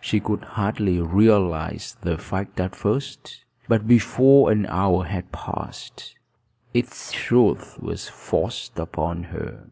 She could hardly realize the fact at first; but before an hour had passed, its truth was forced upon her.